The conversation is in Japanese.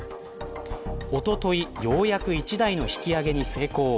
おととい、ようやく１台の引き上げに成功。